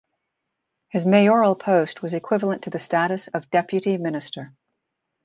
His mayoral post was equivalent to the status of deputy minister.